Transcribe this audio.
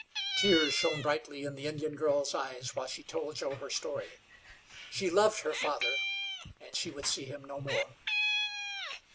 Tears shone brightly in the Indian girl's eyes while she told Joe her story. She loved her father, and she would see him no more.